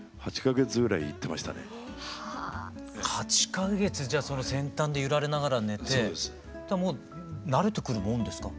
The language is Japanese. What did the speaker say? ８か月じゃあその先端で揺られながら寝てもう慣れてくるもんですか？